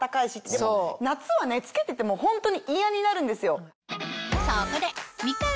でも夏は着けててもホントに嫌になるんですよ。